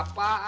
bapak kaget ya